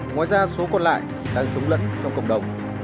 ngoài ra số còn lại đang sống lẫn trong cộng đồng